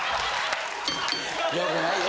よくないよ。